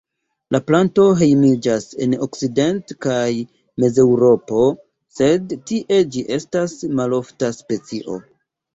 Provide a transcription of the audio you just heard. La planto hejmiĝas en Okcident- kaj Mezeŭropo, sed tie ĝi estas malofta specio.